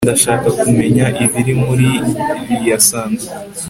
ndashaka kumenya ibiri muriyi sanduku